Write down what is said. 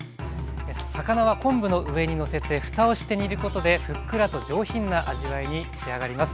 魚は昆布の上にのせてふたをして煮ることでふっくらと上品な味わいに仕上がります。